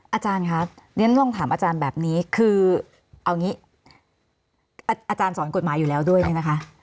อาจารย์ครับเรียนต้องถามอาจารย์แบบนี้คืออาจารย์สอนกฎหมายอยู่แล้วด้วยนะคะ